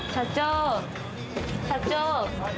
社長！